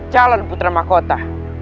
calon putra makota